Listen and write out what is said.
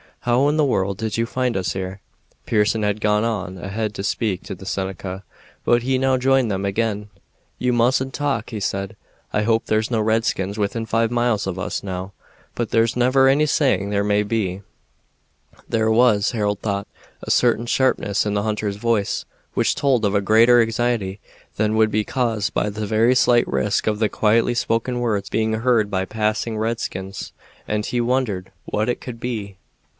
How in the world did you find us here?" Pearson had gone on ahead to speak to the Seneca, but he now joined them again. "You mustn't talk," he said. "I hope there's no redskins within five miles of us now, but there's never any saying where they may be." There was, Harold thought, a certain sharpness in the hunter's voice, which told of a greater anxiety than would be caused by the very slight risk of the quietly spoken words being heard by passing redskins, and he wondered what it could be.